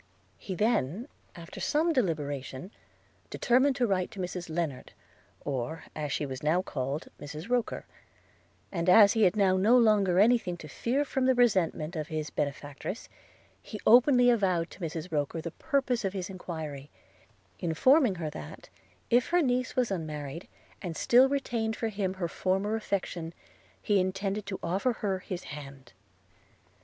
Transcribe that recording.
He then, after some deliberation, determined to write to Mrs Lennard, or, as she was now called, Mrs Roker; – and, as he had now no longer any thing to fear from the resentment of his benefactress, he openly avowed to Mrs Roker the purpose of his enquiry; informing her that, if her niece was unmarried, and still retained for him her former affection, he intended to offer her his hand.